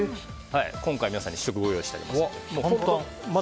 今回、皆さんに試食ご用意しています。